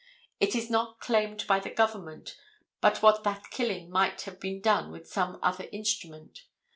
It is not claimed by the government but what that killing might have been done with some other instrument.